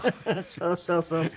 そうそうそうそう。